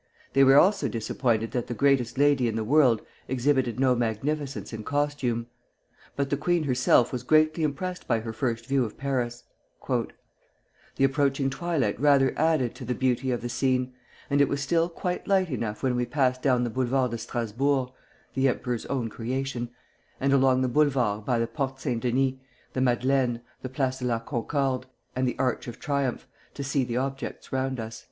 They were also disappointed that the greatest lady in the world exhibited no magnificence in costume. But the queen herself was greatly impressed by her first view of Paris: "The approaching twilight rather added to the beauty of the scene; and it was still quite light enough when we passed down the Boulevard de Strasbourg (the emperor's own creation) and along the Boulevards by the Porte Saint Denis, the Madeleine, the Place de la Concorde, and the Arch of Triumph, to see the objects round us."